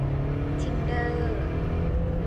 ทินเดอร์